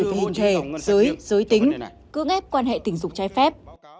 tình thể giới giới tính cưỡng ép quan hệ tình dục trái phép